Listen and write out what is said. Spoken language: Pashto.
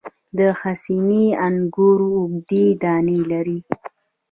د حسیني انګور اوږدې دانې لري.